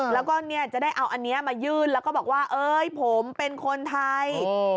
แล้วก็เนี่ยจะได้เอาอันนี้มายื่นแล้วก็บอกว่าเอ้ยผมเป็นคนไทย